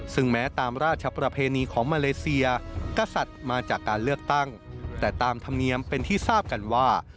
ซึ่งแม้ตามราชประเพณีของมาเลเซียกษัตริย์มาจากการเลือกตั้งแต่ตามธรรมเนียมเป็นที่ทราบกันว่า